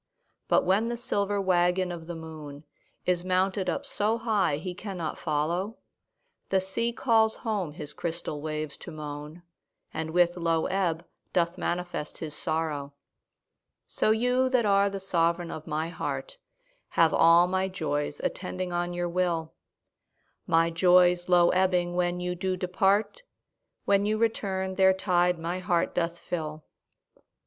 But when the silver waggon of the moon Is mounted up so high he cannot follow, The sea calls home his crystal waves to moan, And with low ebb doth manifest his sorrow. So you that are the sovereign of my heart Have all my joys attending on your will; My joys low ebbing when you do depart, When you return their tide my heart doth fill.